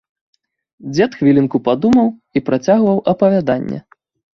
Дзед хвілінку падумаў і працягваў апавяданне.